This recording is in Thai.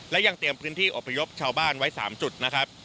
และยังเตรียมพื้นที่อพยพชาวบ้านไว้๓จุดนะครับ